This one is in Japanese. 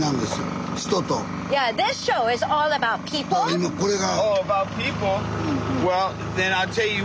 今これが。